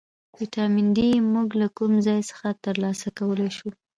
ویټامین ډي موږ له کوم ځای څخه ترلاسه کولی شو